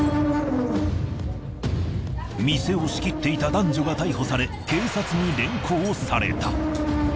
店を仕切っていた男女が逮捕され警察に連行された。